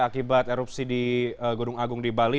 akibat erupsi di gunung agung di bali